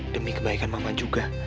demi kebaikan mama juga